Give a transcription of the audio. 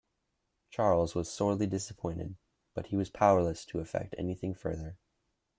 Charles was sorely disappointed, but he was powerless to effect anything further.